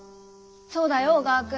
そうだよ小川君。